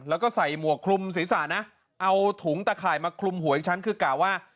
แล้วก็ใส่หมวกคลุมศีรษะนะเอาถุงตะข่ายมาคลุมหัวอีกฉันคือกล่าวว่า